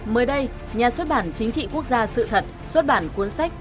mới đây nhà xuất bản chính trị quốc gia sự thật xuất bản cuốn sách